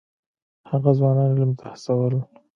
هغه ځوانان علم ته هڅول.